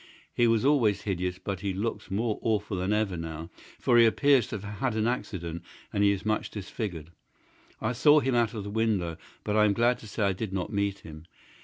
He was always hideous, but he looks more awful than ever now, for he appears to have had an accident and he is much disfigured. I saw him out of the window, but I am glad to say I did not meet him.